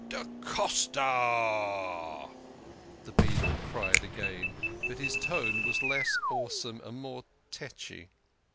" Da Costa !" the beadle cried again, but his tone was less awesome and more tetchy.